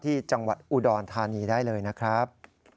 ที่จังหวัดอุดรธานีได้เลยนะครับ